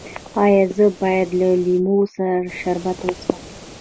ایا زه باید د لیمو شربت وڅښم؟